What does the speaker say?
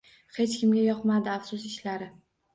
Hech kimga yoqmadi, afsus ishlari.